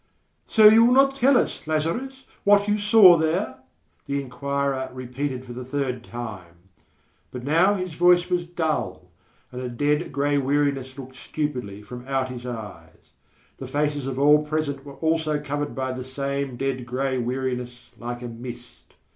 "So you will not tell us, Lazarus, what you saw There?" the inquirer repeated for the third time. But now his voice was dull, and a dead, grey weariness looked stupidly from out his eyes. The faces of all present were also covered by the same dead grey weariness like a mist.